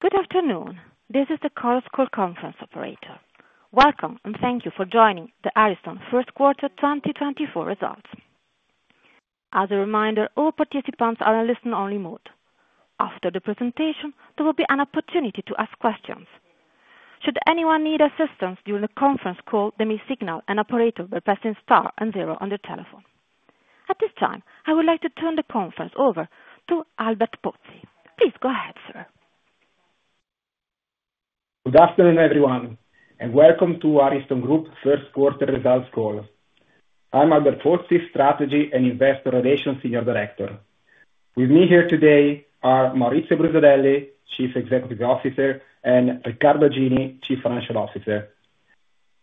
Good afternoon. This is the Chorus Call conference operator. Welcome, and thank you for joining the Ariston first quarter 2024 results. As a reminder, all participants are in listen-only mode. After the presentation, there will be an opportunity to ask questions. Should anyone need assistance during the conference call, they may signal an operator by pressing star and zero on their telephone. At this time, I would like to turn the conference over to Albert Pozzi. Please go ahead, sir. Good afternoon, everyone, and welcome to Ariston Group first quarter results call. I'm Albert Pozzi, Strategy and Investor Relations Senior Director. With me here today are Maurizio Brusadelli, Chief Executive Officer, and Riccardo Gini, Chief Financial Officer.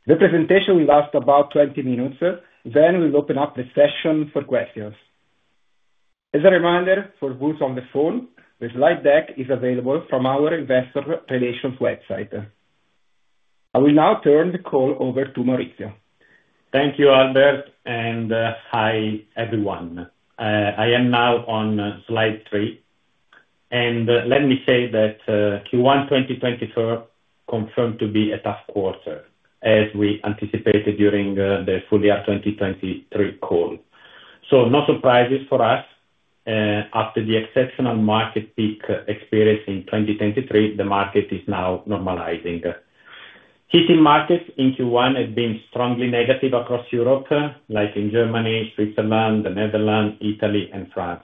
The presentation will last about 20 minutes, then we'll open up the session for questions. As a reminder for those on the phone, the slide deck is available from our investor relations website. I will now turn the call over to Maurizio. Thank you, Albert, and hi, everyone. I am now on slide three, and let me say that Q1 2024 confirmed to be a tough quarter as we anticipated during the full year 2023 call. So no surprises for us. After the exceptional market peak experienced in 2023, the market is now normalizing. Heating markets in Q1 has been strongly negative across Europe, like in Germany, Switzerland, the Netherlands, Italy, and France.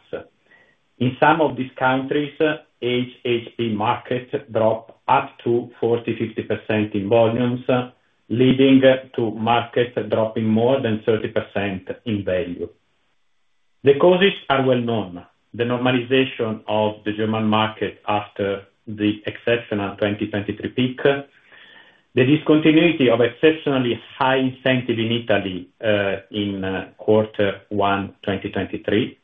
In some of these countries, HHP market dropped up to 40%-50% in volumes, leading to market dropping more than 30% in value. The causes are well known. The normalization of the German market after the exceptional 2023 peak, the discontinuity of exceptionally high incentive in Italy in Quarter 1 2023.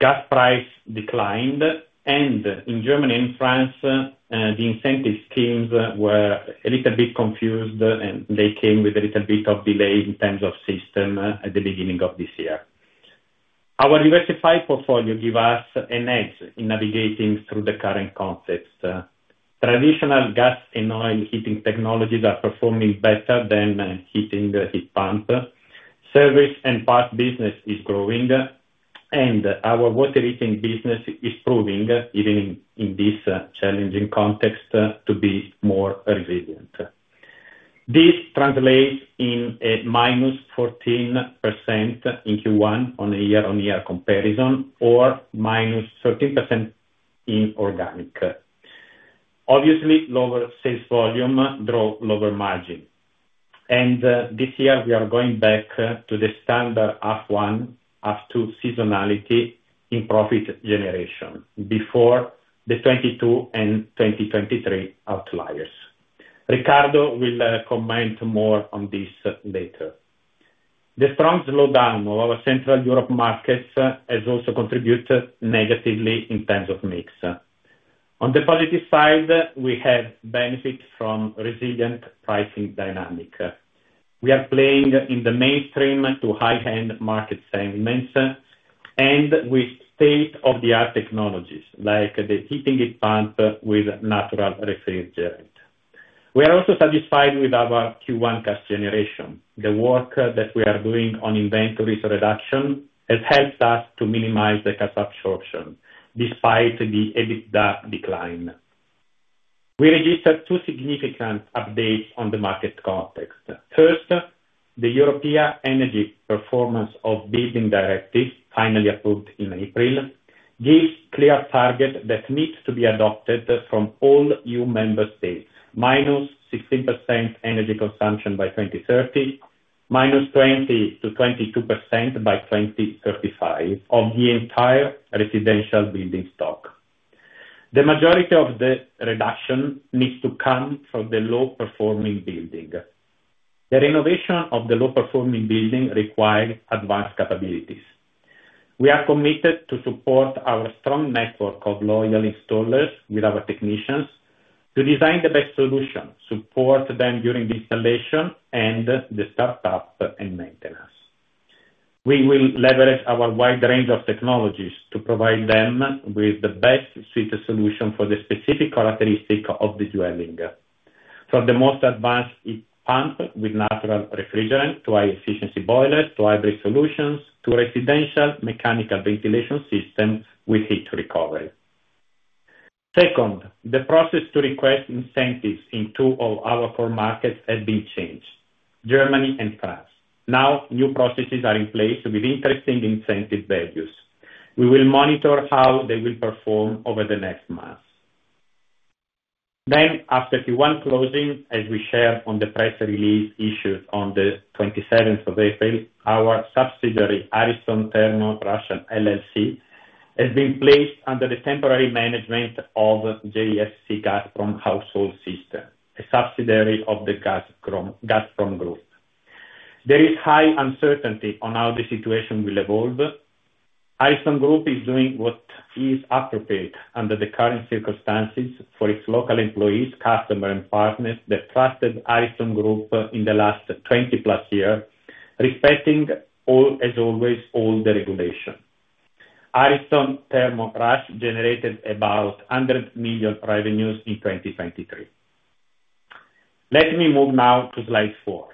Gas price declined, and in Germany and France, the incentive schemes were a little bit confused, and they came with a little bit of delay in terms of system at the beginning of this year. Our diversified portfolio give us an edge in navigating through the current concepts. Traditional gas and oil heating technologies are performing better than heating heat pump. Service and parts business is growing, and our water heating business is proving, even in this challenging context, to be more resilient. This translates in a -14% in Q1 on a year-on-year comparison, or -13% in organic. Obviously, lower sales volume draw lower margin. And this year we are going back to the standard half one, half two seasonality in profit generation before the 2022 and 2023 outliers. Riccardo will comment more on this later. The strong slowdown of our Central Europe markets has also contributed negatively in terms of mix. On the positive side, we have benefit from resilient pricing dynamic. We are playing in the mainstream to high-end market segments, and with state-of-the-art technologies, like the heating heat pump with natural refrigerant. We are also satisfied with our Q1 cash generation. The work that we are doing on inventories reduction has helped us to minimize the cash absorption, despite the EBITDA decline. We registered two significant updates on the market context. First, the European Energy Performance of Buildings Directive, finally approved in April, gives clear target that needs to be adopted from all new member states, -16% energy consumption by 2030, -20% to -22% by 2035 of the entire residential building stock. The majority of the reduction needs to come from the low-performing building. The renovation of the low-performing building require advanced capabilities. We are committed to support our strong network of loyal installers with our technicians, to design the best solution, support them during the installation and the startup and maintenance. We will leverage our wide range of technologies to provide them with the best suited solution for the specific characteristic of the dwelling. From the most advanced heat pump with natural refrigerant, to high efficiency boilers, to hybrid solutions, to residential mechanical ventilation systems with heat recovery. Second, the process to request incentives in two of our core markets has been changed, Germany and France. Now, new processes are in place with interesting incentive values. We will monitor how they will perform over the next months. Then, after Q1 closing, as we shared on the press release issued on the 27th of April, our subsidiary, Ariston Thermo Rus LLC, has been placed under the temporary management of JSC Gazprom Household Systems, a subsidiary of the Gazprom Group. There is high uncertainty on how the situation will evolve. Ariston Group is doing what is appropriate under the current circumstances for its local employees, customers and partners, that trusted Ariston Group in the last 20+ years, respecting all, as always, all the regulations. Ariston Thermo Rus generated about 100 million revenues in 2023. Let me move now to slide four.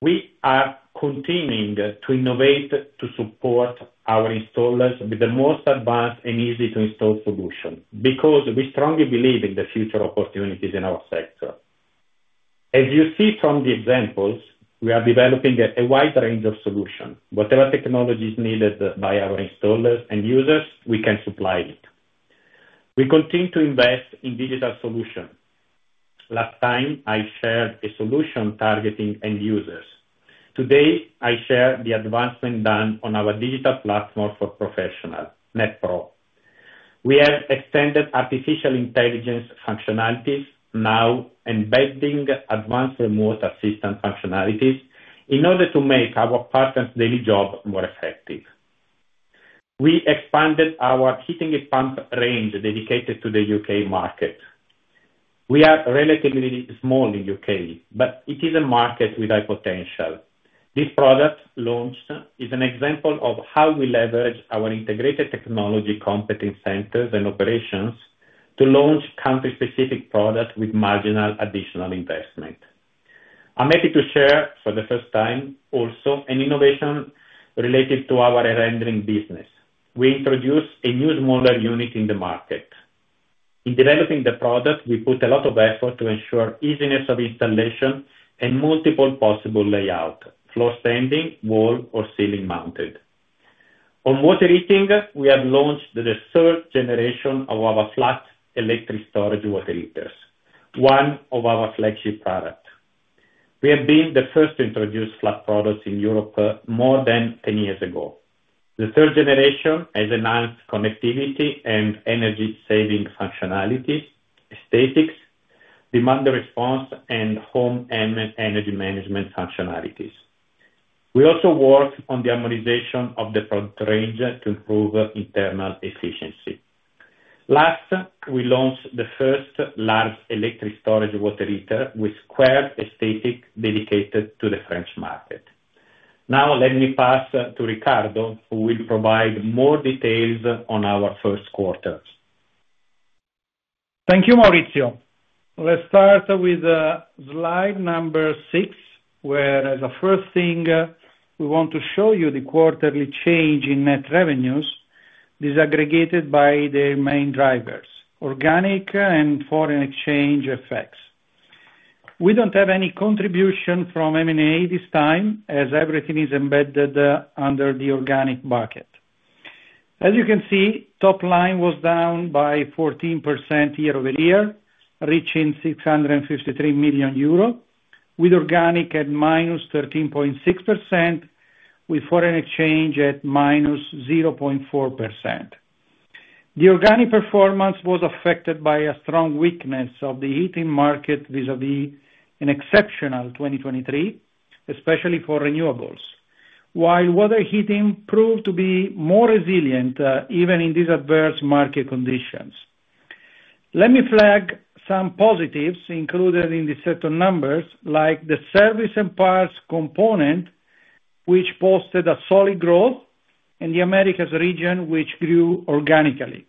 We are continuing to innovate to support our installers with the most advanced and easy-to-install solutions, because we strongly believe in the future opportunities in our sector. As you see from the examples, we are developing a wide range of solutions. Whatever technology is needed by our installers and users, we can supply it. We continue to invest in digital solutions. Last time, I shared a solution targeting end users. Today, I share the advancements done on our digital platform for professionals, Net Pro. We have extended artificial intelligence functionalities, now embedding advanced remote assistance functionalities in order to make our partners' daily job more effective. We expanded our heat pump range dedicated to the U.K. market. We are relatively small in the U.K., but it is a market with high potential. This product launched is an example of how we leverage our integrated technology competence centers and operations, to launch country-specific products with marginal additional investment. I'm happy to share, for the first time, also, an innovation related to our burner business. We introduced a new smaller unit in the market. In developing the product, we put a lot of effort to ensure easiness of installation and multiple possible layout, floor standing, wall, or ceiling mounted. On water heating, we have launched the third generation of our flat electric storage water heaters, one of our flagship product. We have been the first to introduce flat products in Europe more than 10 years ago. The third generation has enhanced connectivity and energy saving functionalities, aesthetics, demand response, and home and energy management functionalities. We also work on the harmonization of the product range to improve internal efficiency. Last, we launched the first large electric storage water heater with square aesthetics dedicated to the French market. Now let me pass to Riccardo, who will provide more details on our first quarter. Thank you, Maurizio. Let's start with slide number six, where the first thing we want to show you the quarterly change in net revenues, disaggregated by the main drivers, organic and foreign exchange effects. We don't have any contribution from M&A this time, as everything is embedded under the organic bucket. As you can see, top line was down by 14% year-over-year, reaching 653 million euro, with organic at -13.6%, with foreign exchange at -0.4%. The organic performance was affected by a strong weakness of the heating market vis-à-vis an exceptional 2023, especially for renewables. While water heating proved to be more resilient even in these adverse market conditions. Let me flag some positives included in the set of numbers, like the service and parts component, which posted a solid growth, and the Americas region, which grew organically.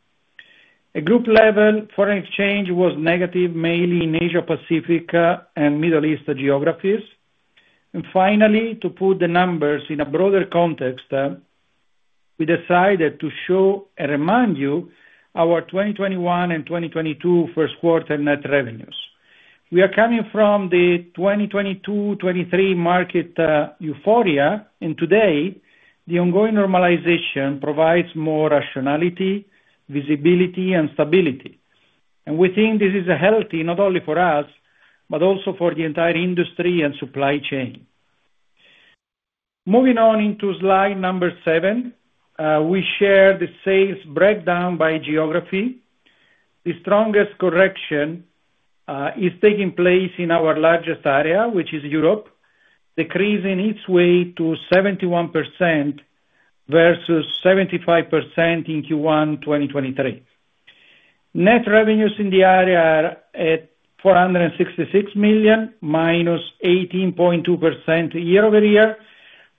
At group level, foreign exchange was negative, mainly in Asia Pacific and Middle East geographies. Finally, to put the numbers in a broader context, we decided to show and remind you our 2021 and 2022 first quarter net revenues. We are coming from the 2022-2023 market euphoria, and today, the ongoing normalization provides more rationality, visibility, and stability. We think this is healthy, not only for us, but also for the entire industry and supply chain. Moving on into slide number seven, we share the sales breakdown by geography. The strongest correction is taking place in our largest area, which is Europe, decreasing its way to 71% versus 75% in Q1 2023. Net revenues in the area are at 466 million, -18.2% year-over-year,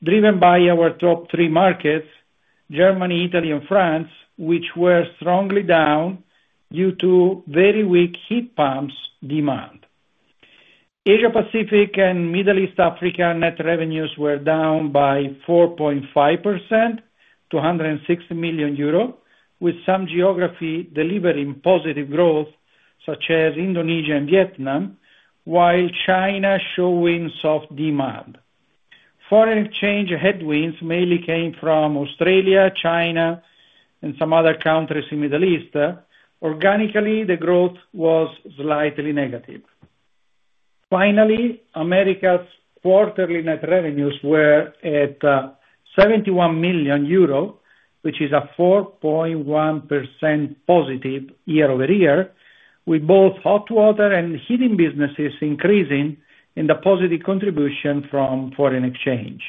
driven by our top three markets, Germany, Italy, and France, which were strongly down due to very weak heat pumps demand. Asia Pacific and Middle East Africa net revenues were down by 4.5% to 160 million euro, with some geography delivering positive growth, such as Indonesia and Vietnam, while China showing soft demand. Foreign exchange headwinds mainly came from Australia, China, and some other countries in Middle East. Organically, the growth was slightly negative. Finally, Americas quarterly net revenues were at 71 million euro, which is a 4.1% positive year-over-year, with both hot water and heating businesses increasing in the positive contribution from foreign exchange.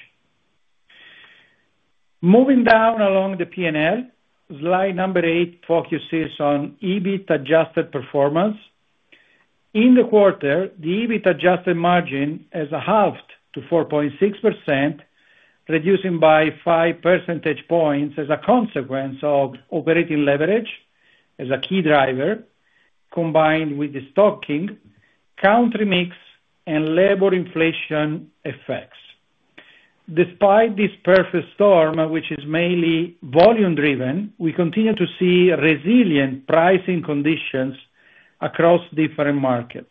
Moving down along the P&L, slide eight focuses on EBIT adjusted performance. In the quarter, the EBIT adjusted margin has halved to 4.6%, reducing by five percentage points as a consequence of operating leverage as a key driver, combined with destocking, country mix, and labor inflation effects. Despite this perfect storm, which is mainly volume driven, we continue to see resilient pricing conditions across different markets.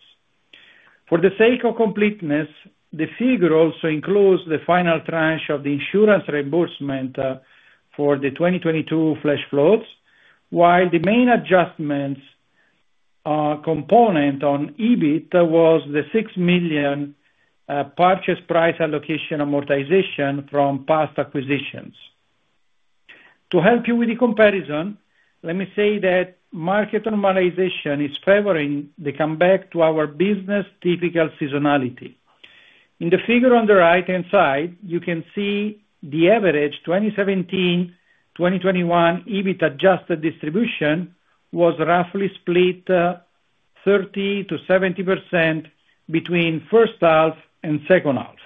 For the sake of completeness, the figure also includes the final tranche of the insurance reimbursement for the 2022 flash floods, while the main adjustments component on EBIT was the 6 million purchase price allocation amortization from past acquisitions. To help you with the comparison, let me say that market normalization is favoring the comeback to our business typical seasonality. In the figure on the right-hand side, you can see the average 2017-2021 EBIT Adjusted distribution was roughly split 30%-70% between first half and second half.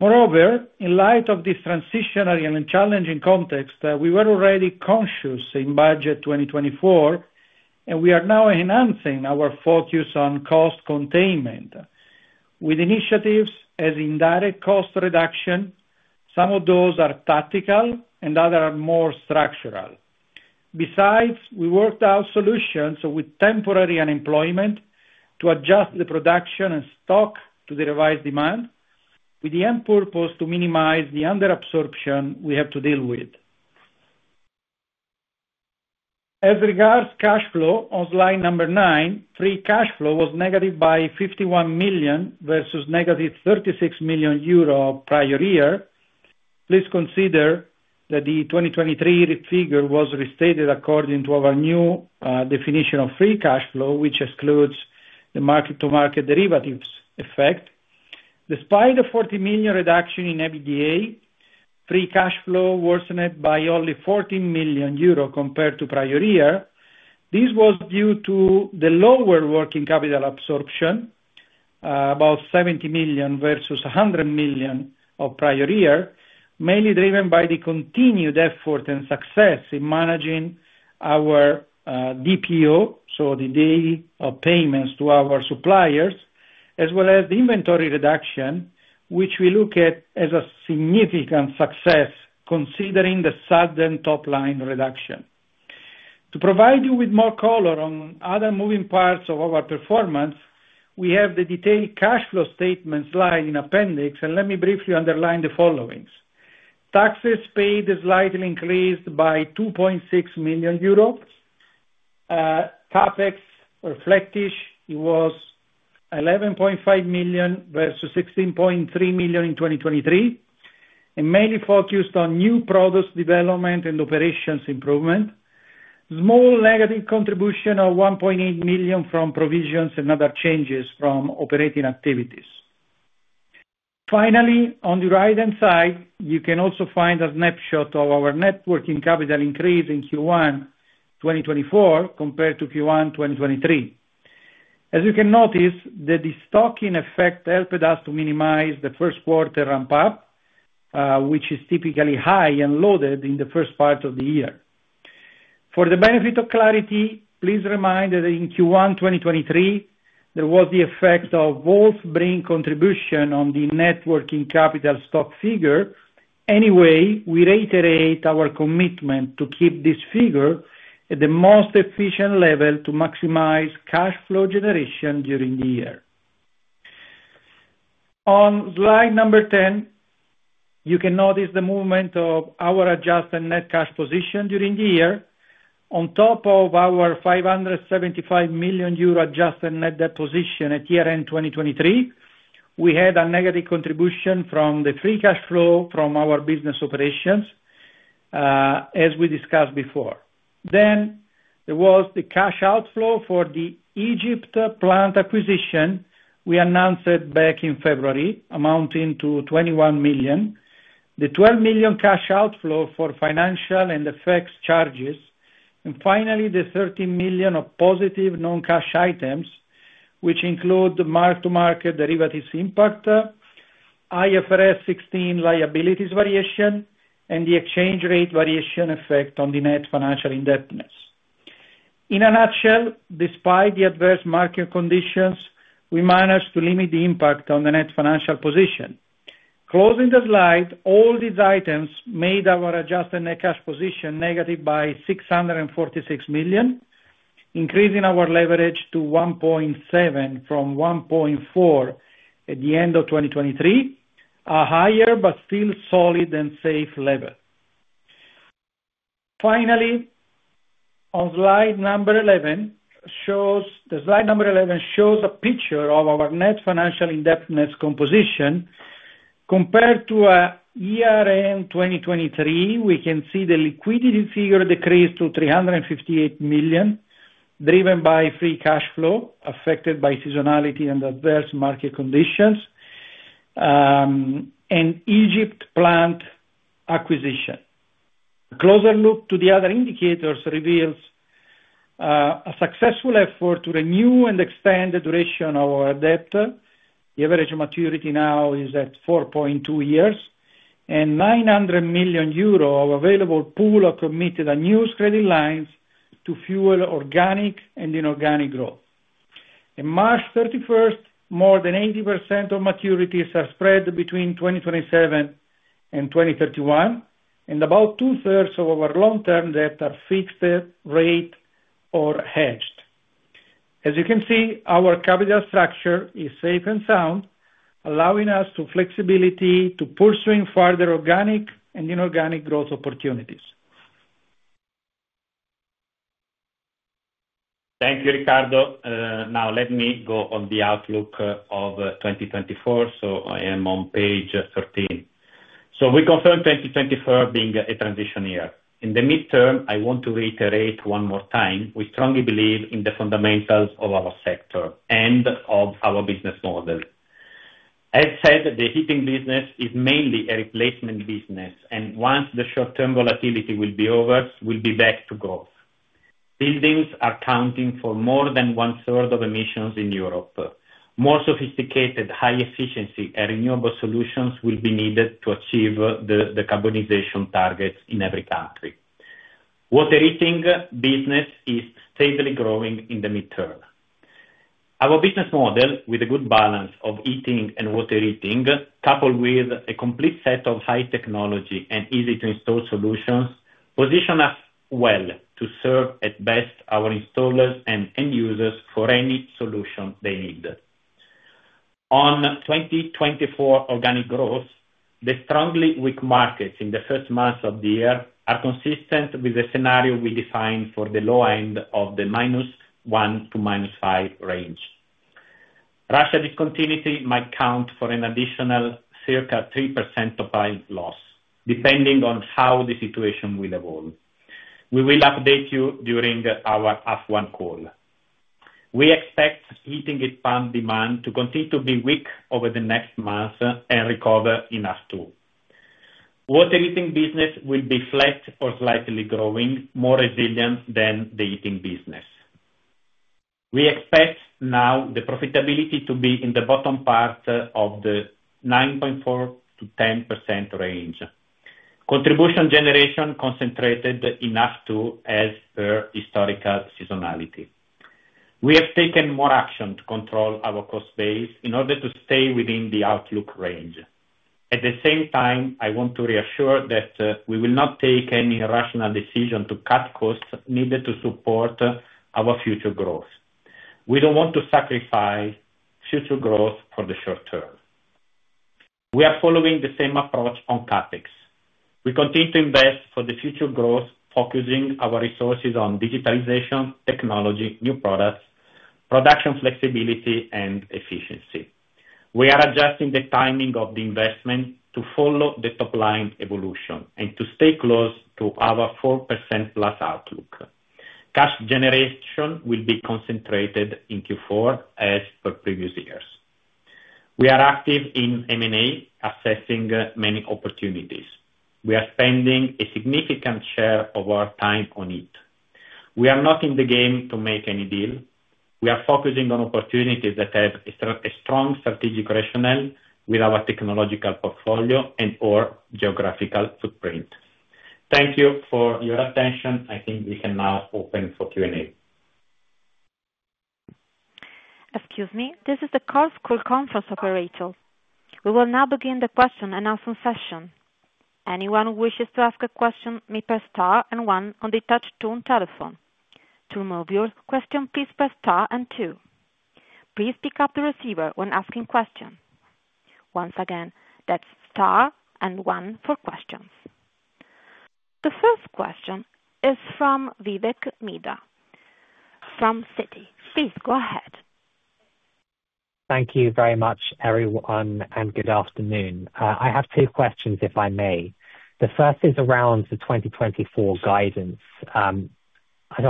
Moreover, in light of this transitional and challenging context, we were already conscious in budget 2024, and we are now enhancing our focus on cost containment with initiatives as indirect cost reduction. Some of those are tactical and other are more structural. Besides, we worked out solutions with temporary unemployment to adjust the production and stock to the revised demand, with the end purpose to minimize the under absorption we have to deal with. As regards cash flow, on slide number nine, free cash flow was negative 51 million versus negative 36 million euro prior year. Please consider that the 2023 figure was restated according to our new definition of free cash flow, which excludes the mark-to-market derivatives effect. Despite the 40 million reduction in EBITDA, free cash flow worsened by only 14 million euro compared to prior year. This was due to the lower working capital absorption, about 70 million versus 100 million of prior year, mainly driven by the continued effort and success in managing our DPO, so the day of payments to our suppliers, as well as the inventory reduction, which we look at as a significant success considering the sudden top line reduction. To provide you with more color on other moving parts of our performance, we have the detailed cash flow statement slide in appendix, and let me briefly underline the following. Taxes paid is slightly increased by 2.6 million euros, CapEx-ish, it was 11.5 million versus 16.3 million in 2023, and mainly focused on new products development and operations improvement. Small negative contribution of 1.8 million from provisions and other changes from operating activities. Finally, on the right-hand side, you can also find a snapshot of our net working capital increase in Q1 2024 compared to Q1 2023. As you can notice, that the stocking effect helped us to minimize the first quarter ramp up, which is typically high and loaded in the first part of the year. For the benefit of clarity, please remind that in Q1 2023, there was the effect of both Brink contribution on the net working capital stock figure. Anyway, we reiterate our commitment to keep this figure at the most efficient level to maximize cash flow generation during the year. On slide number 10, you can notice the movement of our adjusted net cash position during the year. On top of our 575 million euro adjusted net debt position at year-end 2023, we had a negative contribution from the free cash flow from our business operations, as we discussed before. Then there was the cash outflow for the Egypt plant acquisition we announced back in February, amounting to 21 million, the 12 million cash outflow for financial and effects charges, and finally, the 13 million of positive non-cash items, which include the mark-to-market derivatives impact, IFRS 16 liabilities variation, and the exchange rate variation effect on the net financial indebtedness. In a nutshell, despite the adverse market conditions, we managed to limit the impact on the net financial position. Closing the slide, all these items made our adjusted net cash position negative by 646 million, increasing our leverage to 1.7 from 1.4 at the end of 2023, a higher but still solid and safe level. Finally, on slide 11 shows a picture of our net financial indebtedness composition. Compared to year-end 2023, we can see the liquidity figure decreased to 358 million, driven by free cash flow, affected by seasonality and adverse market conditions, and Egypt plant acquisition. A closer look to the other indicators reveals a successful effort to renew and extend the duration of our debt. The average maturity now is at 4.2 years, and 900 million euro of available pool are committed on new credit lines to fuel organic and inorganic growth. In March 31st, more than 80% of maturities are spread between 2027 and 2031, and about two-thirds of our long-term debt are fixed rate or hedged. As you can see, our capital structure is safe and sound, allowing us to flexibility to pursuing further organic and inorganic growth opportunities. Thank you, Riccardo. Now let me go on the outlook of 2024, so I am on page 13. We confirm 2024 being a transition year. In the midterm, I want to reiterate one more time, we strongly believe in the fundamentals of our sector and of our business model. As said, the heating business is mainly a replacement business, and once the short-term volatility will be over, we'll be back to growth. Buildings are accounting for more than one-third of emissions in Europe. More sophisticated, high efficiency, and renewable solutions will be needed to achieve the decarbonization targets in every country. Water heating business is steadily growing in the midterm. Our business model, with a good balance of heating and water heating, coupled with a complete set of high technology and easy-to-install solutions, position us well to serve at best our installers and end users for any solution they need. On 2024 organic growth, the strongly weak markets in the first months of the year are consistent with the scenario we defined for the low end of the -1% to -5% range. Russia discontinuity might count for an additional circa 3% of our loss, depending on how the situation will evolve. We will update you during our H1 2024 call. We expect heating heat pump demand to continue to be weak over the next month and recover in H2. Water heating business will be flat or slightly growing, more resilient than the heating business. We expect now the profitability to be in the bottom part of the 9.4%-10% range. Contribution generation concentrated in H2 as per historical seasonality. We have taken more action to control our cost base in order to stay within the outlook range. At the same time, I want to reassure that we will not take any irrational decision to cut costs needed to support our future growth. We don't want to sacrifice future growth for the short term. We are following the same approach on CapEx. We continue to invest for the future growth, focusing our resources on digitalization, technology, new products, production, flexibility, and efficiency. We are adjusting the timing of the investment to follow the top line evolution and to stay close to our 4%+ outlook. Cash generation will be concentrated in Q4 as per previous years. We are active in M&A, assessing many opportunities. We are spending a significant share of our time on it. We are not in the game to make any deal. We are focusing on opportunities that have a strong strategic rationale with our technological portfolio and/or geographical footprint. Thank you for your attention. I think we can now open for Q&A. Excuse me, this is the Chorus Call conference operator. We will now begin the question and answer session. Anyone who wishes to ask a question may press star and one on the touch tone telephone. To remove your question, please press star and two. Please pick up the receiver when asking questions. Once again, that's star and one for questions. The first question is from Vivek Midha, from Citi. Please go ahead. Thank you very much, everyone, and good afternoon. I have two questions, if I may. The first is around the 2024 guidance. So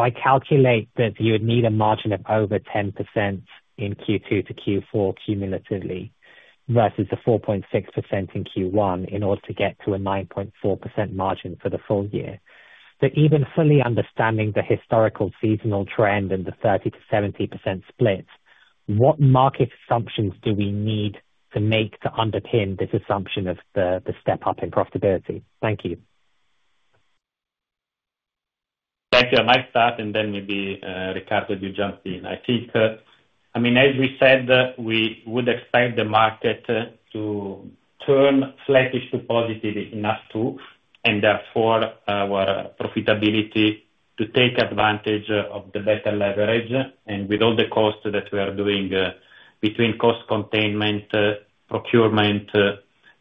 I calculate that you would need a margin of over 10% in Q2 to Q4 cumulatively, versus the 4.6% in Q1, in order to get to a 9.4% margin for the full year. But even fully understanding the historical seasonal trend and the 30%-70% splits, what market assumptions do we need to make to underpin this assumption of the, the step up in profitability? Thank you. Thank you. I might start, and then maybe, Riccardo, you jump in. I think, I mean, as we said, we would expect the market to turn sluggish to positive in H2, and therefore, our profitability to take advantage of the better leverage. And with all the costs that we are doing, between cost containment, procurement,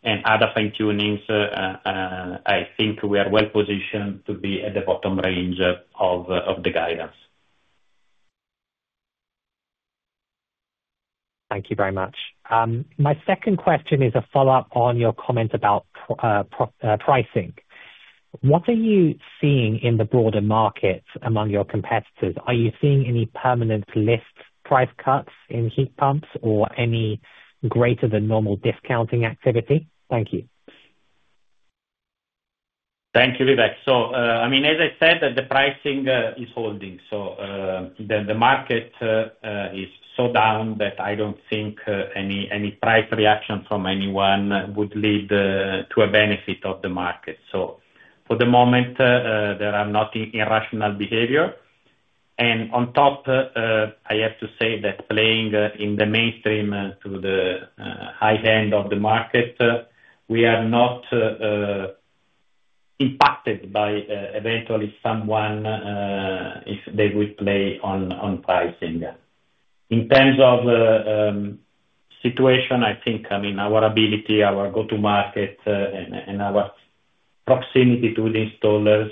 and other fine-tunings, I think we are well positioned to be at the bottom range of the guidance. Thank you very much. My second question is a follow-up on your comment about pricing. What are you seeing in the broader market among your competitors? Are you seeing any permanent list price cuts in heat pumps or any greater than normal discounting activity? Thank you. Thank you, Vivek. So, I mean, as I said, the pricing is holding. So, the market is so down that I don't think any price reaction from anyone would lead to a benefit of the market. So for the moment, there are not irrational behavior, and on top, I have to say that playing in the mainstream to the high end of the market, we are not impacted by eventually someone if they would play on pricing. In terms of situation, I think, I mean, our ability, our go-to market, and our proximity to the installers,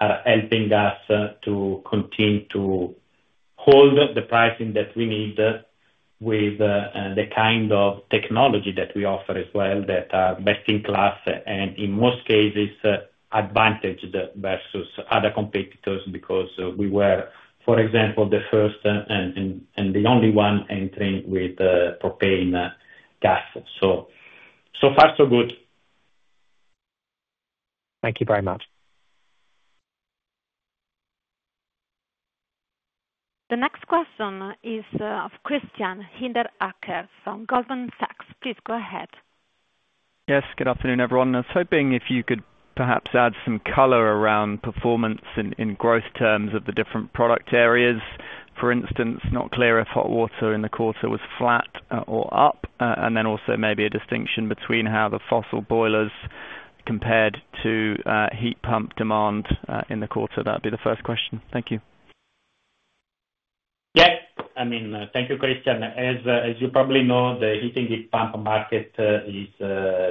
are helping us to continue to hold the pricing that we need, with the kind of technology that we offer as well, that are best in class, and in most cases, advantage the versus other competitors, because we were, for example, the first and the only one entering with propane gas. So, so far, so good. Thank you very much. The next question is, of Christian Hinderaker, from Goldman Sachs. Please go ahead. Yes, good afternoon, everyone. I was hoping if you could perhaps add some color around performance in, in growth terms of the different product areas. For instance, not clear if hot water in the quarter was flat, or up, and then also maybe a distinction between how the fossil boilers compared to, heat pump demand, in the quarter. That'd be the first question. Thank you. Yes. I mean, thank you, Christian. As you probably know, the heat pump market is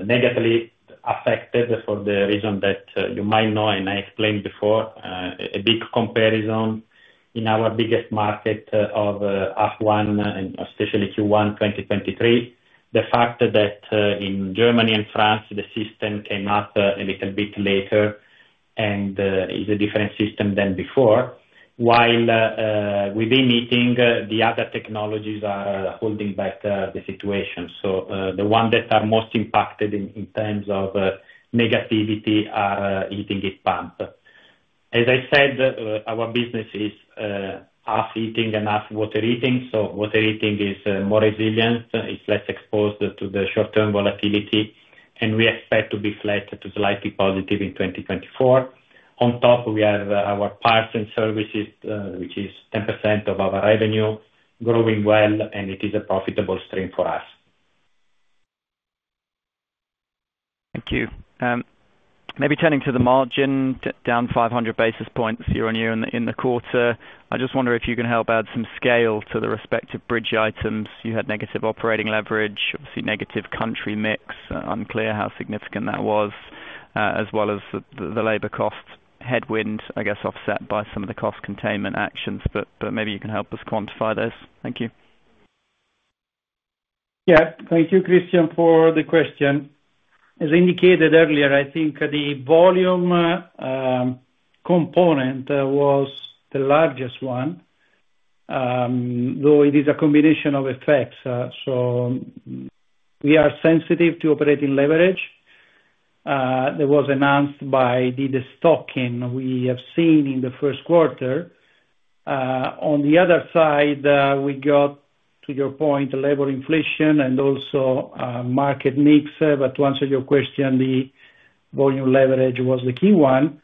negatively affected for the reason that you might know, and I explained before, a big comparison in our biggest market of half one and especially Q1 2023. The fact that in Germany and France, the system came out a little bit later, and is a different system than before. While within heating, the other technologies are holding back the situation. So, the ones that are most impacted in terms of negativity are heat pumps. As I said, our business is half heating and half water heating, so water heating is more resilient, it's less exposed to the short-term volatility, and we expect to be flat to slightly positive in 2024. On top, we have our parts and services, which is 10% of our revenue, growing well, and it is a profitable stream for us. Thank you. Maybe turning to the margin, down 500 basis points year-on-year in the quarter. I just wonder if you can help add some scale to the respective bridge items. You had negative operating leverage, obviously negative country mix, unclear how significant that was, as well as the labor cost headwind, I guess, offset by some of the cost containment actions, but maybe you can help us quantify this. Thank you. Yeah. Thank you, Christian, for the question. As indicated earlier, I think the volume, component, was the largest one, though it is a combination of effects, so we are sensitive to operating leverage. That was enhanced by the destocking we have seen in the first quarter. On the other side, we got, to your point, labor inflation and also, market mix, but to answer your question, the volume leverage was the key one.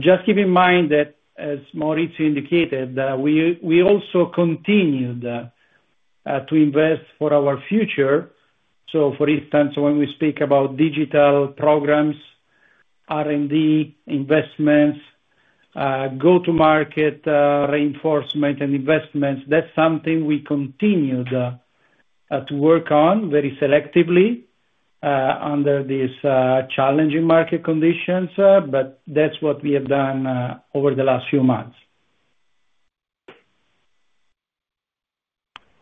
Just keep in mind that, as Maurizio indicated, we, we also continued, to invest for our future. So, for instance, when we speak about digital programs, R&D investments, go-to-market, reinforcement and investments, that's something we continued, to work on very selectively, under these, challenging market conditions, but that's what we have done, over the last few months.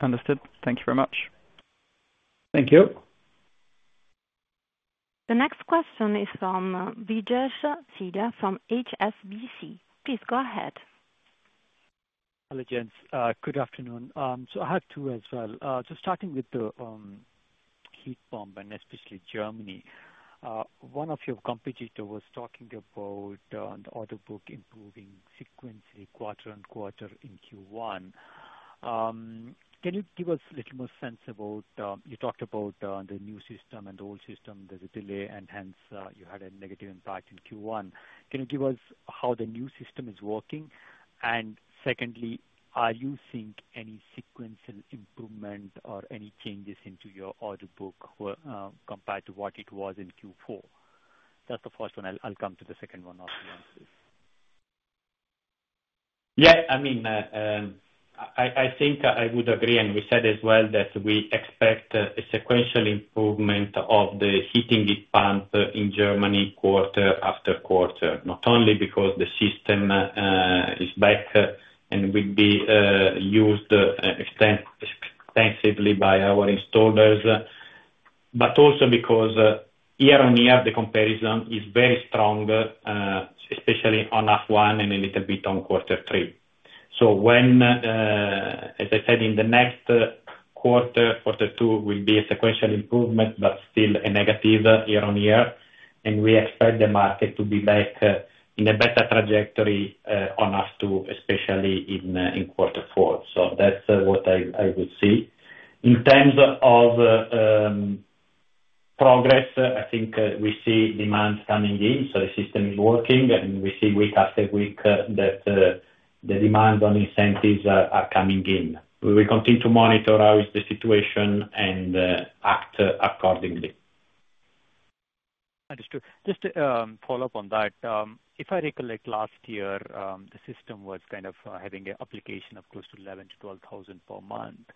Understood. Thank you very much. Thank you. The next question is from [Vijesh Jain], from HSBC. Please go ahead. Hello, gents. Good afternoon. So I have two as well. Just starting with the heat pump and especially Germany. One of your competitor was talking about the order book improving sequentially, quarter and quarter in Q1. Can you give us a little more sense about you talked about the new system and the old system, there's a delay and hence you had a negative impact in Q1. Can you give us how the new system is working? And secondly, are you seeing any sequential improvement or any changes into your order book compared to what it was in Q4? That's the first one. I'll come to the second one after the answer. Yeah. I mean, I think I would agree, and we said as well, that we expect a sequential improvement of the heating heat pump in Germany, quarter after quarter. Not only because the system is back and will be used extensively by our installers, but also because year-on-year, the comparison is very strong, especially on H1 and a little bit on quarter three. So, as I said, in the next quarter, quarter two will be a sequential improvement, but still a negative year-on-year, and we expect the market to be back in a better trajectory on half two, especially in quarter four. So that's what I would see. In terms of progress, I think we see demand coming in, so the system is working, and we see week after week that the demand on incentives are coming in. We will continue to monitor how is the situation and act accordingly. Understood. Just to follow up on that, if I recollect last year, the system was kind of having an application of close to 11-12 thousand per month.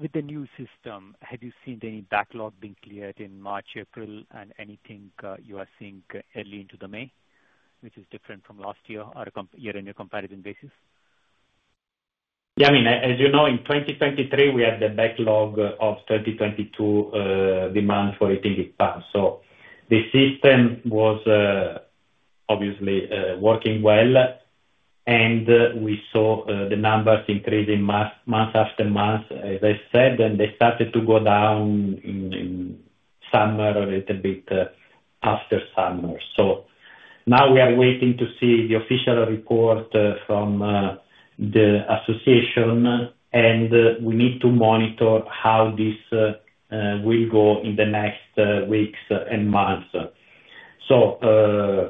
With the new system, have you seen any backlog being cleared in March, April, and anything you are seeing early into the May, which is different from last year or a year-on-year comparison basis? Yeah, I mean, as you know, in 2023, we had the backlog of 2022, demand for heating heat pumps, so the system was obviously working well. And we saw the numbers increasing month, month after month, as I said, and they started to go down in summer or a little bit after summer. So now we are waiting to see the official report from the association, and we need to monitor how this will go in the next weeks and months. So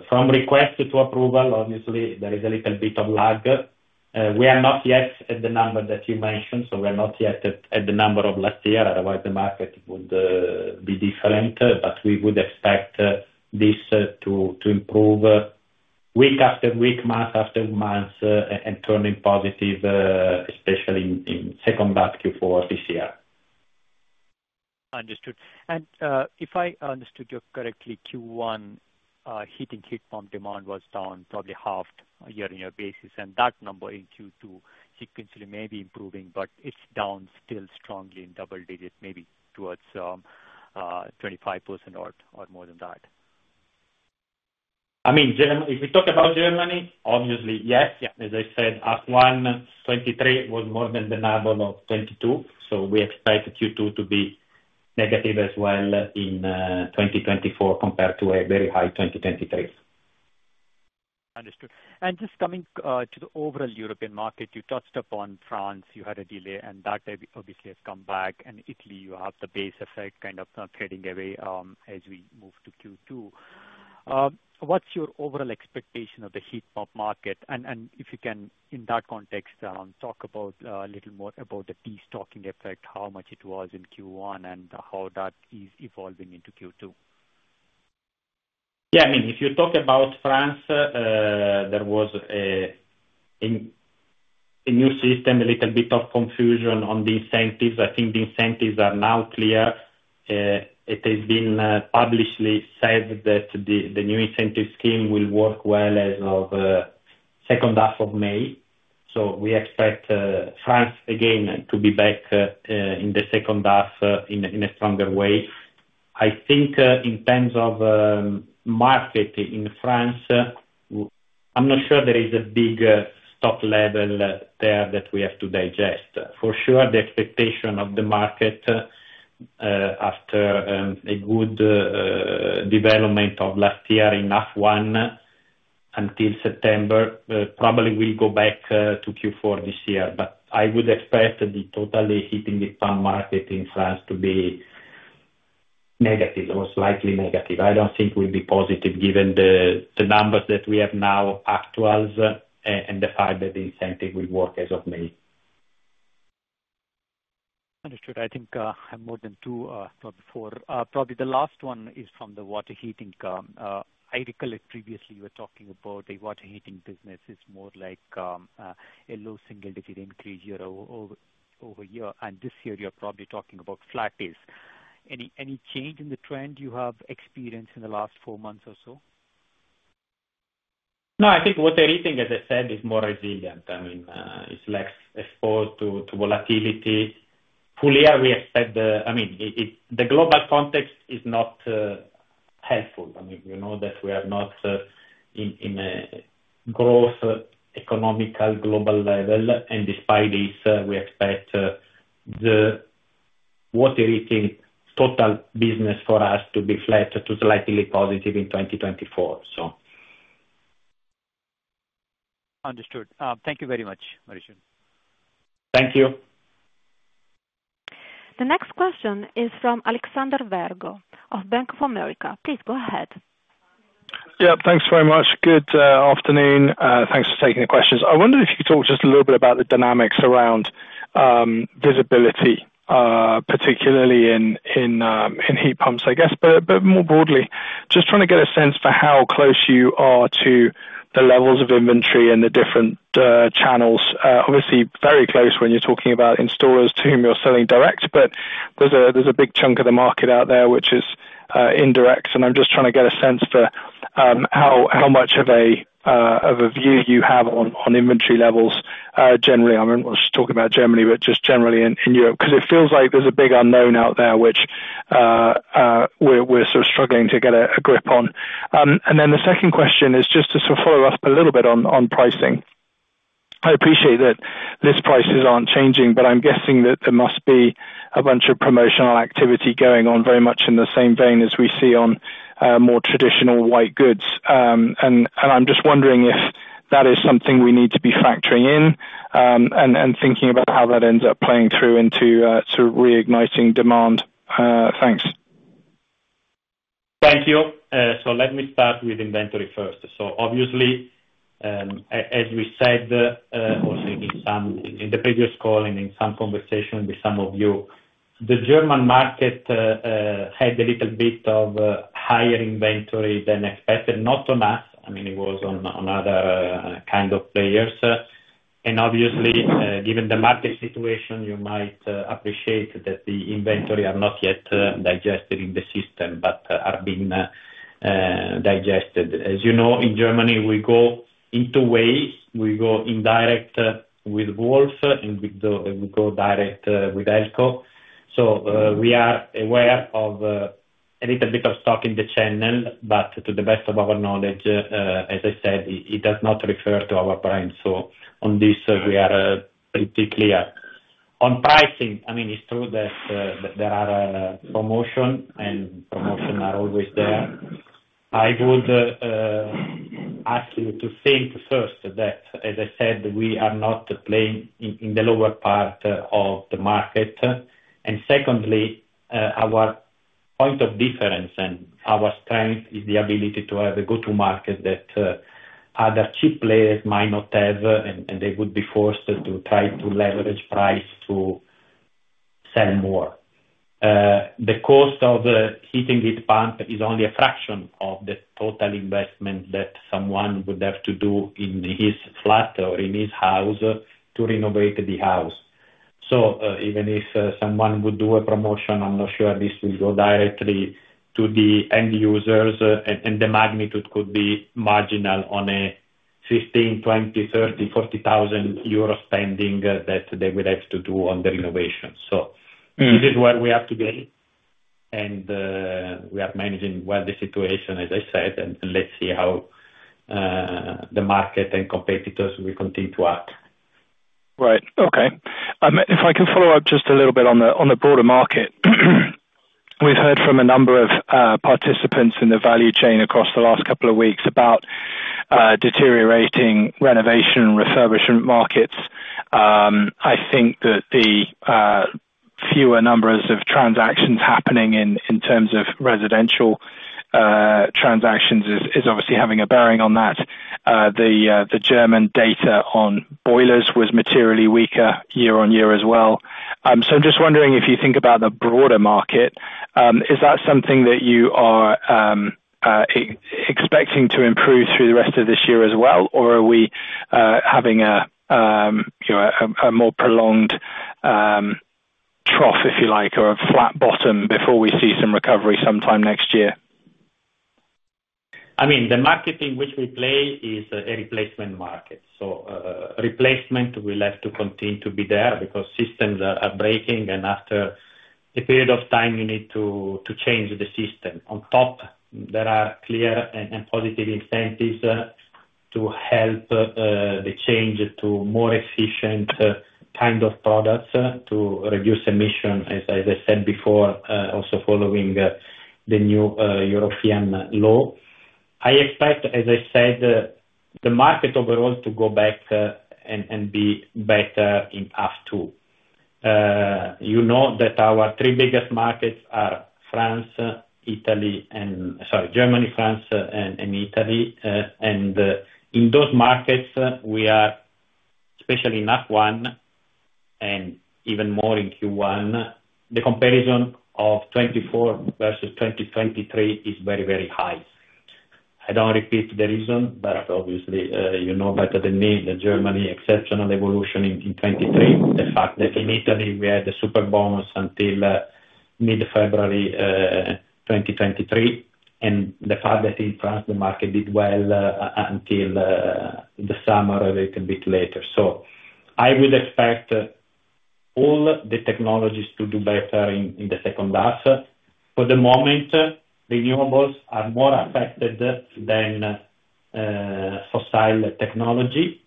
from request to approval, obviously there is a little bit of lag. We are not yet at the number that you mentioned, so we are not yet at the number of last year. Otherwise the market would be different, but we would expect this to improve week after week, month after month, and turning positive, especially in second half, Q4 this year. Understood. And, if I understood you correctly, Q1, heating heat pump demand was down probably half year-over-year basis, and that number in Q2 sequentially may be improving, but it's down still strongly in double digits, maybe towards, twenty-five percent or, or more than that. I mean, Germany, if we talk about Germany, obviously, yes, yeah, as I said, half one 2023 was more than the number of 2022, so we expect Q2 to be negative as well in 2024, compared to a very high 2023. Understood. And just coming to the overall European market, you touched upon France, you had a delay and that obviously has come back. And Italy, you have the base effect kind of fading away, as we move to Q2. What's your overall expectation of the heat pump market? And if you can, in that context, talk about a little more about the destocking effect, how much it was in Q1, and how that is evolving into Q2. Yeah, I mean, if you talk about France, there was a new system, a little bit of confusion on the incentives. I think the incentives are now clear. It has been publicly said that the new incentive scheme will work well as of second half of May. So we expect France again to be back in the second half in a stronger way. I think in terms of market in France, I'm not sure there is a big stock level there that we have to digest. For sure, the expectation of the market after a good development of last year in half one, until September, probably will go back to Q4 this year. But I would expect the total heat pump market in France to be negative, or slightly negative. I don't think we'll be positive given the numbers that we have now up to us, and the fact that the incentive will work as of May. Understood. I think, I have more than two, not four. Probably the last one is from the water heating. I recall it previously you were talking about the water heating business is more like, a low single digit increase year-over-year, and this year you're probably talking about flat base. Any change in the trend you have experienced in the last four months or so? No, I think water heating, as I said, is more resilient. I mean, it's less exposed to volatility. Fully, we expect—I mean, it, the global context is not helpful. I mean, we know that we are not in a growth economical global level, and despite this, we expect the water heating total business for us to be flat to slightly positive in 2024, so. Understood. Thank you very much, Maurizio. Thank you. The next question is from Alexander Virgo of Bank of America. Please go ahead. Yeah, thanks very much. Good afternoon, thanks for taking the questions. I wonder if you could talk just a little bit about the dynamics around visibility, particularly in heat pumps, I guess, but more broadly, just trying to get a sense for how close you are to the levels of inventory in the different channels. Obviously very close when you're talking about installers to whom you're selling direct, but there's a big chunk of the market out there, which is indirect. And I'm just trying to get a sense for how much of a view you have on inventory levels, generally. I don't want us to talk about Germany, but just generally in Europe, 'cause it feels like there's a big unknown out there, which... We're sort of struggling to get a grip on. And then the second question is just to sort of follow up a little bit on pricing. I appreciate that list prices aren't changing, but I'm guessing that there must be a bunch of promotional activity going on, very much in the same vein as we see on more traditional white goods. And I'm just wondering if that is something we need to be factoring in, and thinking about how that ends up playing through into sort of reigniting demand? Thanks. Thank you. So let me start with inventory first. Obviously, as we said, also in some, in the previous call and in some conversations with some of you, the German market had a little bit of higher inventory than expected, not so much, I mean, it was on other kind of players. And obviously, given the market situation, you might appreciate that the inventory are not yet digested in the system, but are being digested. As you know, in Germany, we go in two ways, we go indirect with Wolf, and we go direct with Elco. So, we are aware of a little bit of stock in the channel, but to the best of our knowledge, as I said, it does not refer to our brand, so on this, we are pretty clear. On pricing, I mean, it's true that there are promotion, and promotion are always there. I would ask you to think first, that, as I said, we are not playing in, in the lower part of the market. And secondly, our point of difference and our strength is the ability to have a go-to market that other cheap players might not have, and, and they would be forced to try to leverage price to sell more. The cost of the heating heat pump is only a fraction of the total investment that someone would have to do in his flat or in his house, to renovate the house. So, even if someone would do a promotion, I'm not sure this will go directly to the end users, and the magnitude could be marginal on a 15,000-40,000 euro spending that they would have to do on the renovation. Mm-hmm. This is where we have to be, and we are managing well the situation, as I said, and let's see how the market and competitors will continue to act. Right. Okay. If I can follow up just a little bit on the broader market, we've heard from a number of participants in the value chain across the last couple of weeks, about deteriorating renovation and refurbishment markets. I think that the fewer numbers of transactions happening in terms of residential transactions is obviously having a bearing on that. The German data on boilers was materially weaker year-over-year as well. So I'm just wondering if you think about the broader market, is that something that you are expecting to improve through the rest of this year as well, or are we having a you know, a more prolonged trough, if you like, or a flat bottom, before we see some recovery sometime next year? I mean, the market in which we play is a replacement market, so, replacement will have to continue to be there, because systems are, are breaking, and after a period of time, you need to, to change the system. On top, there are clear and, and positive incentives, to help, the change to more efficient, kind of products, to reduce emission, as, as I said before, also following, the new, European law. I expect, as I said, the market overall to go back, and, and be better in half two. You know that our three biggest markets are France, Italy, and... Sorry, Germany, France, and, and Italy, and, in those markets, we are especially in half one, and even more in Q1, the comparison of 2024 versus 2023 is very, very high. I don't repeat the reason, but obviously, you know better than me, that Germany exceptional evolution in 2023. The fact that in Italy we had the Superbonus until mid-February 2023, and the fact that in France, the market did well until the summer, a little bit later. So I would expect all the technologies to do better in the second half. For the moment, renewables are more affected than fossil technology.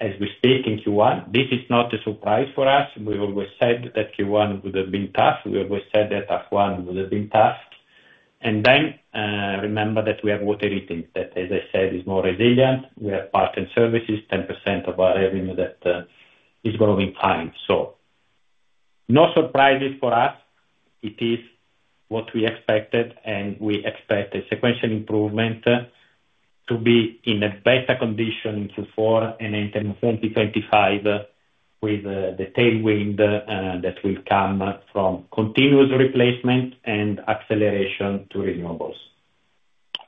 As we speak in Q1, this is not a surprise for us, we've always said that Q1 would have been tough. We always said that half one would have been tough, and then remember that we have water heating, that, as I said, is more resilient. We have parts and services, 10% of our revenue that is growing fine. So no surprises for us, it is what we expected, and we expect a sequential improvement, to be in a better condition in Q4 and in 2025, with the tailwind that will come from continuous replacement and acceleration to renewables.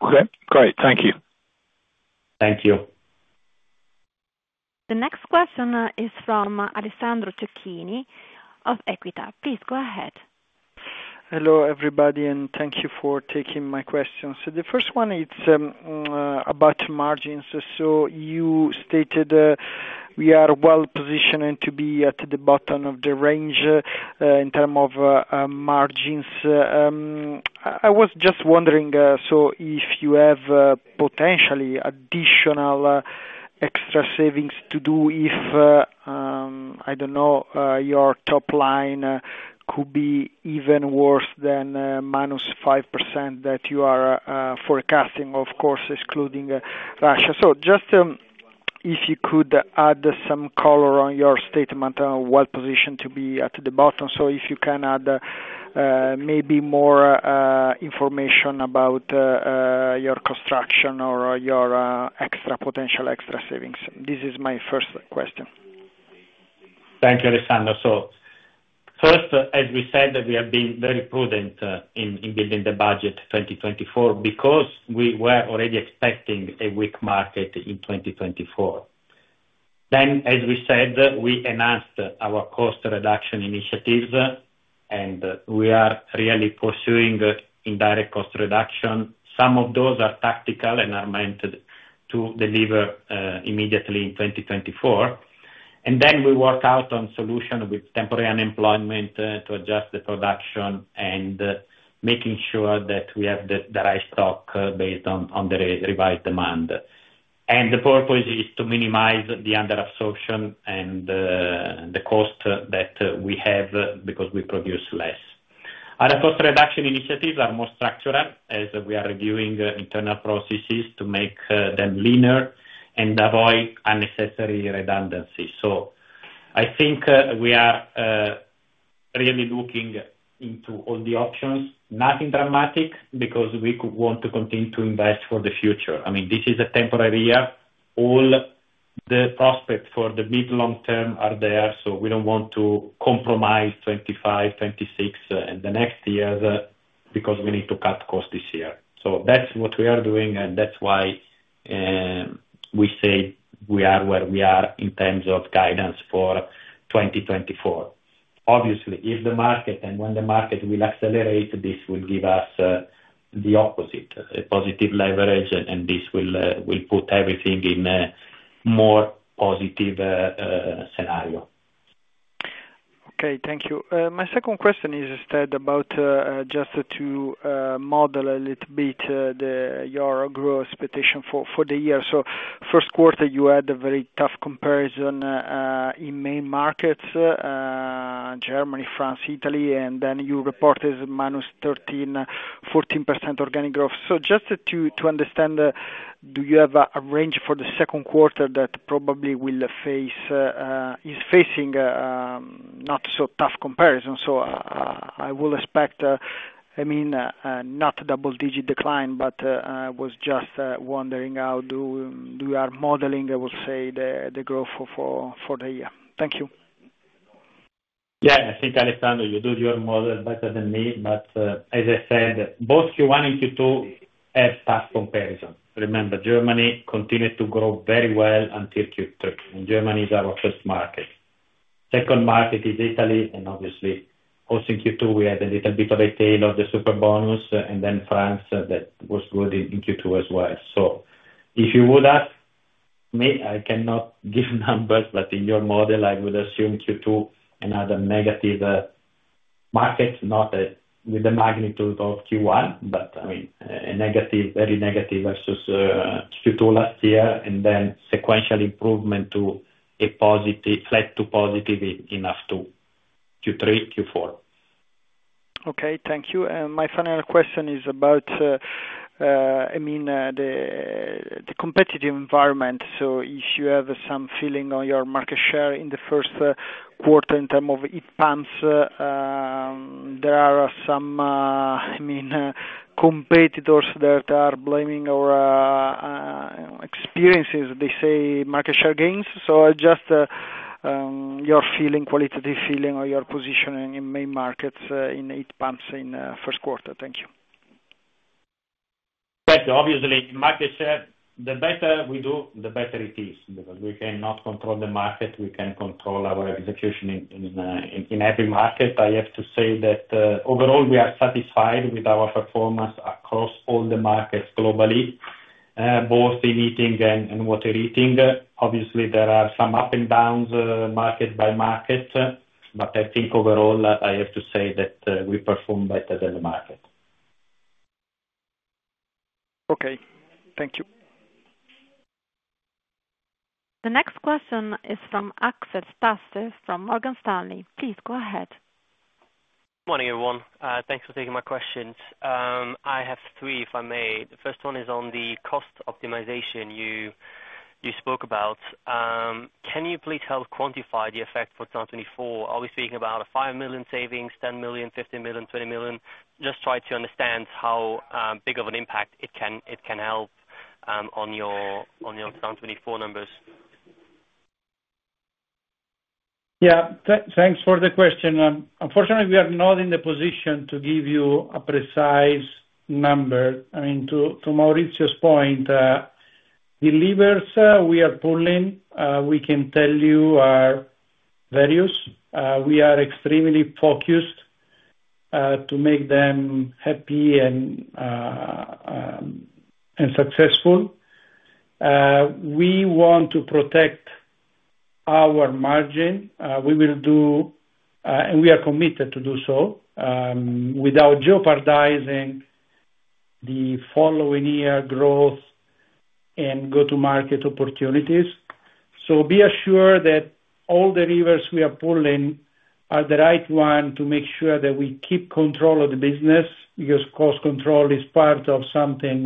Okay, great. Thank you. Thank you. The next question is from Alessandro Cecchini of Equita. Please go ahead. Hello, everybody, and thank you for taking my questions. So the first one is about margins. So you stated we are well positioned to be at the bottom of the range in terms of margins. I was just wondering, so if you have potentially additional extra savings to do, if I don't know, your top line could be even worse than -5% that you are forecasting, of course, excluding Russia. So just if you could add some color on your statement on what position to be at the bottom. So if you can add maybe more information about your construction or your extra potential extra savings. This is my first question. Thank you, Alessandro. So first, as we said, we have been very prudent in building the budget 2024, because we were already expecting a weak market in 2024. Then, as we said, we enhanced our cost reduction initiatives, and we are really pursuing indirect cost reduction. Some of those are tactical and are meant to deliver immediately in 2024. And then we work out on solution with temporary unemployment to adjust the production and making sure that we have the right stock based on the revised demand. And the purpose is to minimize the under absorption and the cost that we have, because we produce less. Our cost reduction initiatives are more structural, as we are reviewing internal processes to make them leaner and avoid unnecessary redundancy. So I think we are really looking into all the options. Nothing dramatic, because we want to continue to invest for the future. I mean, this is a temporary year. All the prospects for the mid long term are there, so we don't want to compromise 2025, 2026, and the next years, because we need to cut costs this year. So that's what we are doing, and that's why we say we are where we are in terms of guidance for 2024. Obviously, if the market and when the market will accelerate, this will give us the opposite, a positive leverage, and this will put everything in a more positive scenario. Okay, thank you. My second question is instead about, just to, model a little bit, the, your growth expectation for, for the year. So first quarter, you had a very tough comparison, in main markets, Germany, France, Italy, and then you reported minus 13%-14% organic growth. So just to, to understand, do you have a, a range for the second quarter that probably will face, is facing, not so tough comparison? So, I will expect, I mean, not double digit decline, but, I was just, wondering how do, do you are modeling, I would say, the, the growth for, for, for the year. Thank you. Yeah, I think, Alessandro, you do your model better than me, but as I said, both Q1 and Q2 have tough comparison. Remember, Germany continued to grow very well until Q3, and Germany is our first market. Second market is Italy, and obviously, also in Q2, we had a little bit of a tail of the Superbonus, and then France, that was good in Q2 as well. So if you would ask me, I cannot give numbers, but in your model, I would assume Q2, another negative market, not with the magnitude of Q1, but I mean, a negative, very negative versus Q2 last year, and then sequential improvement to a positive, flat to positive enough to Q3, Q4. Okay, thank you. My final question is about, I mean, the competitive environment. So if you have some feeling on your market share in the first quarter in term of heat pumps, there are some, I mean, competitors that are blaming or experiences, they say, market share gains. So just your feeling, qualitative feeling, or your positioning in main markets in heat pumps in first quarter. Thank you. But obviously, market share, the better we do, the better it is, because we cannot control the market; we can control our execution in every market. I have to say that, overall, we are satisfied with our performance across all the markets globally, both in heating and water heating. Obviously, there are some ups and downs, market by market, but I think overall, I have to say that, we perform better than the market. Okay, thank you. The next question is from Axel Stasse, from Morgan Stanley. Please go ahead. Morning, everyone. Thanks for taking my questions. I have three, if I may. The first one is on the cost optimization you spoke about. Can you please help quantify the effect for 2024? Are we speaking about a 5 million savings, 10 million, 15 million, 20 million? Just try to understand how big of an impact it can help on your 2024 numbers. Yeah, thanks for the question. Unfortunately, we are not in the position to give you a precise number. I mean, to Maurizio's point, the levers we are pulling, we can tell you are various. We are extremely focused- ... to make them happy and, and successful. We want to protect our margin, we will do, and we are committed to do so, without jeopardizing the following year growth and go-to-market opportunities. So be assured that all the levers we are pulling are the right one to make sure that we keep control of the business, because cost control is part of something,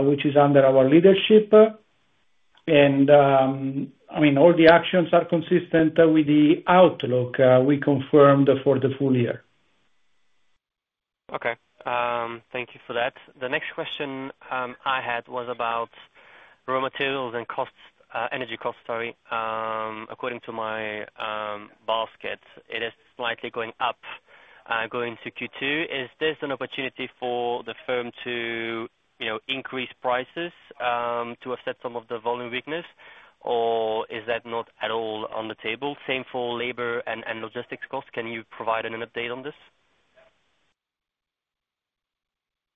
which is under our leadership. And, I mean, all the actions are consistent with the outlook, we confirmed for the full year. Okay. Thank you for that. The next question I had was about raw materials and costs, energy costs, sorry. According to my basket, it is slightly going up, going to Q2. Is this an opportunity for the firm to, you know, increase prices, to offset some of the volume weakness, or is that not at all on the table? Same for labor and logistics costs. Can you provide an update on this?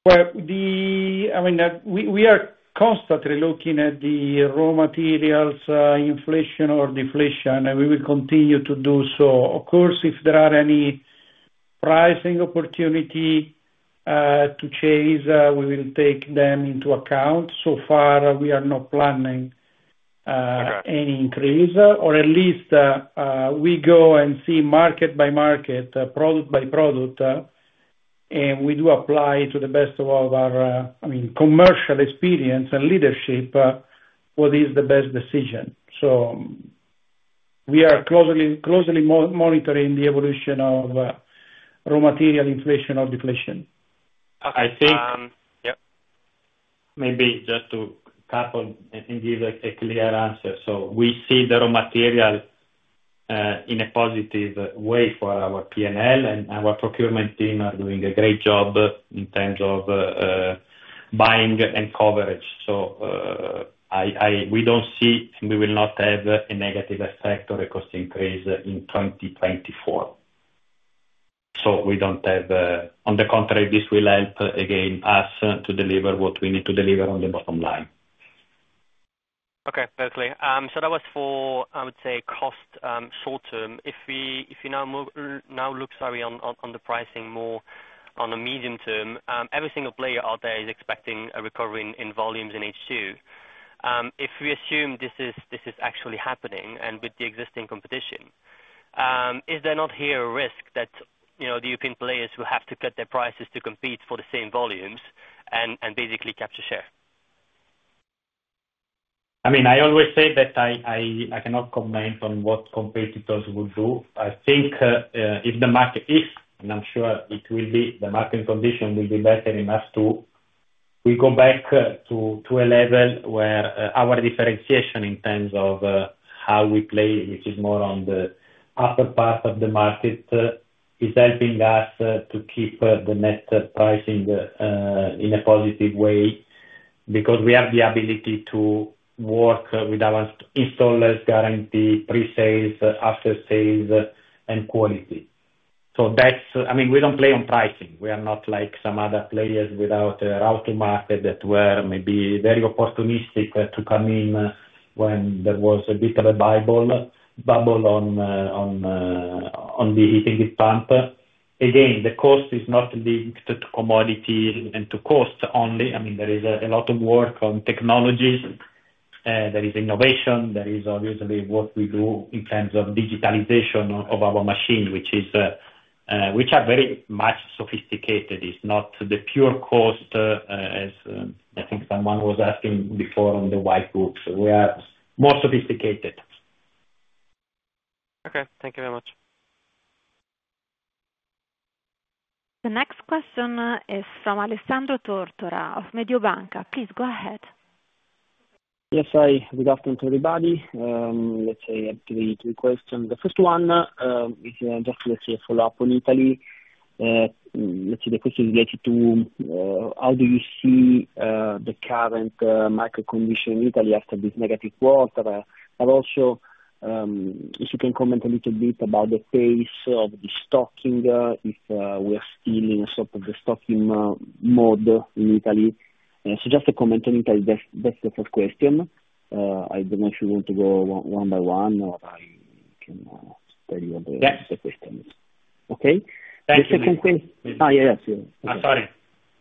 Well, I mean, that we are constantly looking at the raw materials, inflation or deflation, and we will continue to do so. Of course, if there are any pricing opportunity, to chase, we will take them into account. So far, we are not planning, any increase, or at least, we go and see market by market, product by product, and we do apply to the best of all of our, I mean, commercial experience and leadership, what is the best decision. So we are closely, closely monitoring the evolution of, raw material inflation or deflation. Okay, um- I think- Yep. Maybe just to couple and give a clear answer. So we see the raw material in a positive way for our PNL, and our procurement team are doing a great job in terms of buying and coverage. So we don't see, and we will not have a negative effect or a cost increase in 2024. So we don't have... on the contrary, this will help, again, us to deliver what we need to deliver on the bottom line. Okay, perfectly. So that was for, I would say, cost, short term. If we now move, now look, sorry, on the pricing more on the medium term, every single player out there is expecting a recovery in volumes in H2. If we assume this is actually happening, and with the existing competition, is there not here a risk that, you know, the European players will have to cut their prices to compete for the same volumes, and basically capture share? I mean, I always say that I cannot comment on what competitors will do. I think, if the market is, and I'm sure it will be, the market condition will be better in half two, we go back to a level where our differentiation in terms of how we play, which is more on the upper part of the market, is helping us to keep the net pricing in a positive way. Because we have the ability to work with our installers, guarantee pre-sales, after sales, and quality. So that's, I mean, we don't play on pricing. We are not like some other players without a route in the market that were maybe very opportunistic to come in, when there was a bit of a bubble on the heat pump. Again, the cost is not linked to commodity and to cost only. I mean, there is a lot of work on technologies. There is innovation. There is obviously work we do in terms of digitalization of our machine, which are very much sophisticated. It's not the pure cost, as I think someone was asking before on the white goods. We are more sophisticated. Okay. Thank you very much. The next question is from Alessandro Tortora of Mediobanca. Please, go ahead. Yes, sorry. Good afternoon to everybody. Let's say I have two questions. The first one is just let's say a follow-up on Italy. Let's see, the question is related to how do you see the current market condition in Italy after this negative quarter? But also, if you can comment a little bit about the pace of the stocking, if we're still in sort of the stocking mode in Italy. So just to comment on Italy, that's the first question. I don't know if you want to go one by one, or I can tell you all the- Yes. - questions. Okay? Thank you. Oh, yeah, yes. I'm sorry.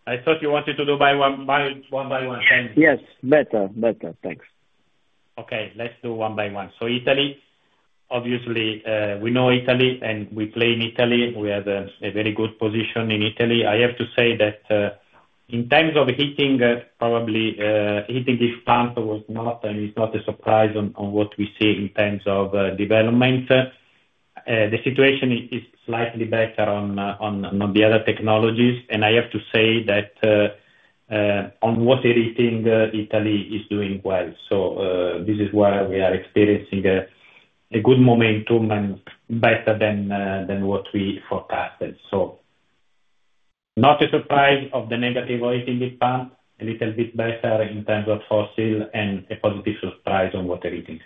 I thought you wanted to do one by one. Thank you. Yes. Better, better, thanks. Okay, let's do one by one. So Italy, obviously, we know Italy, and we play in Italy. We have a very good position in Italy. I have to say that in terms of heating, probably, heat pump was not and is not a surprise on what we see in terms of development. The situation is slightly better on the other technologies, and I have to say that on water heating, Italy is doing well. So this is where we are experiencing a good momentum and better than what we forecasted. So not a surprise on the negative on the heat pump, a little bit better in terms of fossil and a positive surprise on what it is.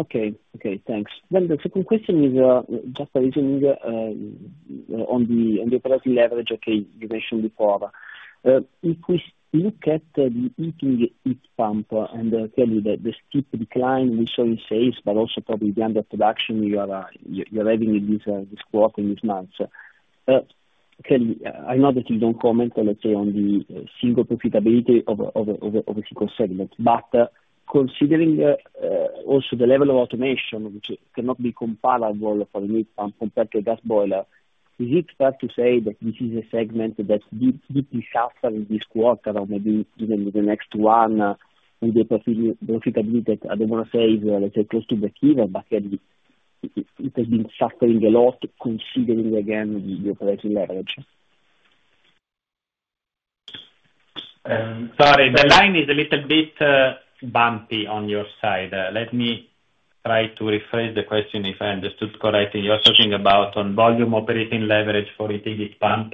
Okay. Okay, thanks. Well, the second question is just reasoning on the operating leverage, okay, you mentioned before. If we look at the heating heat pump, and tell you that the steep decline we saw in sales, but also probably the underproduction you're having in this quarter, in these months. Can I know that you don't comment, let's say, on the profitability of a single segment, but considering also the level of automation, which cannot be comparable for the heat pump compared to gas boiler, is it fair to say that this is a segment that did suffer this quarter or maybe even the next one, with the profitability that I don't wanna say is, let's say, close to zero, but it has been suffering a lot, considering again the operating leverage? Sorry, the line is a little bit bumpy on your side. Let me try to rephrase the question if I understood correctly. You're talking about on volume operating leverage for heating heat pump,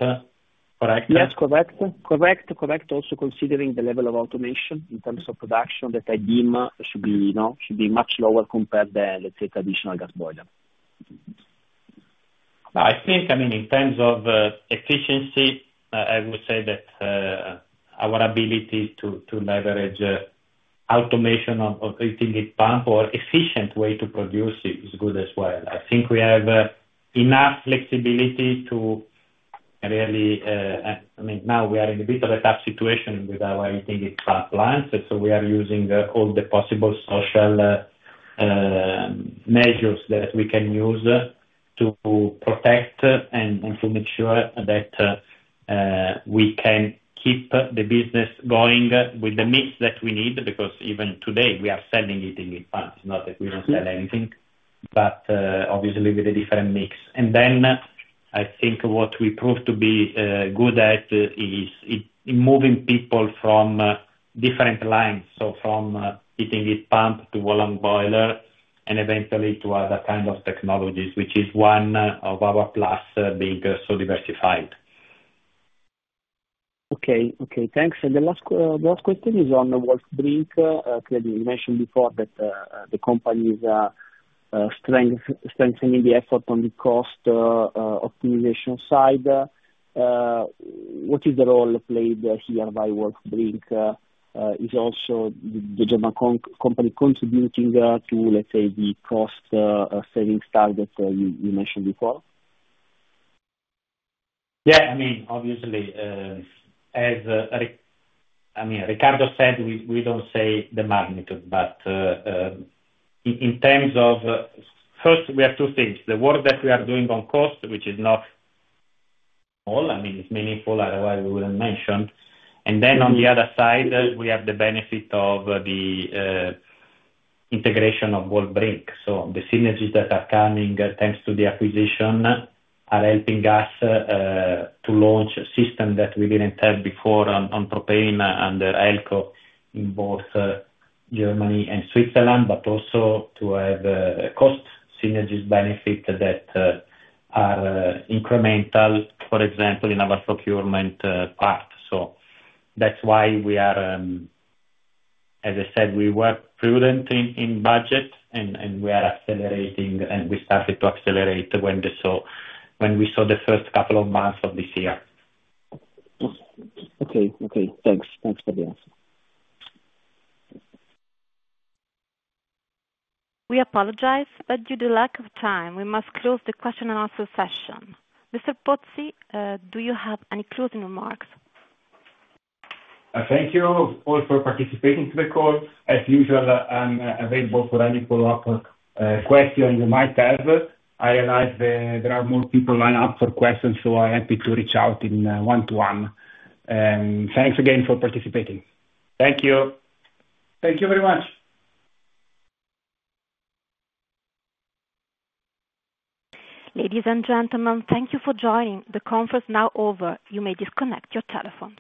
correct? Yes, correct. Correct, correct. Also, considering the level of automation in terms of production, that [IIM] should be, you know, should be much lower compared than, let's say, traditional gas boiler. I think, I mean, in terms of efficiency, I would say that our ability to leverage automation on heating heat pump or efficient way to produce it is good as well. I think we have enough flexibility to really... I mean, now we are in a bit of a tough situation with our heating heat pump lines, and so we are using all the possible social measures that we can use to protect and to make sure that we can keep the business going with the mix that we need, because even today, we are selling heating heat pumps. It's not that we don't sell anything, but obviously with a different mix. And then, I think what we prove to be good at is in moving people from different lines, so from heating heat pump to wall-hung boiler, and eventually to other kinds of technologies, which is one of our plus being so diversified. Okay. Okay, thanks. The last question is on the Wolf and Brink. You mentioned before that the company's strengthening the effort on the cost optimization side. What is the role played here by Wolf and Brink? Is also the German company contributing to, let's say, the cost savings target you mentioned before? Yeah, I mean, obviously, as I mean, Riccardo said, we don't say the magnitude, but, in terms of... First, we have two things: the work that we are doing on cost, which is not all, I mean, it's meaningful, otherwise we wouldn't mention. And then on the other side, we have the benefit of the integration of Wolf and Brink. So the synergies that are coming, thanks to the acquisition, are helping us to launch a system that we didn't have before on propane, under Elco in both Germany and Switzerland, but also to have a cost synergies benefit that are incremental, for example, in our procurement part. That's why we are, as I said, we were prudent in budget, and we are accelerating, and we started to accelerate when we saw the first couple of months of this year. Okay. Okay, thanks. Thanks for the answer. We apologize, but due to lack of time, we must close the question and answer session. Mr. Pozzi, do you have any closing remarks? Thank you all for participating to the call. As usual, I'm available for any follow-up question you might have. I realize there are more people lined up for questions, so I'm happy to reach out in one-to-one. Thanks again for participating. Thank you. Thank you very much. Ladies and gentlemen, thank you for joining. The conference now over. You may disconnect your telephone.